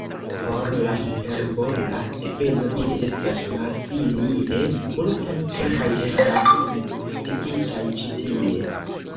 Por la hiperbola ebeno ili estas malfinie multaj, kelkaj estas listigitaj ĉi tie.